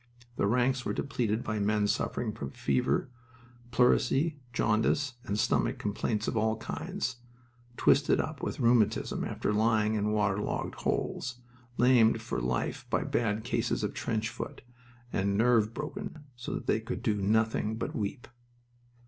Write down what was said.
The ranks were depleted by men suffering from fever, pleurisy, jaundice, and stomach complaints of all kinds, twisted up with rheumatism after lying in waterlogged holes, lamed for life by bad cases of trench foot, and nerve broken so that they could do nothing but weep.